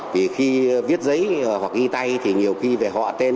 vì khi viết giấy hoặc ghi tay thì nhiều khi về họ tên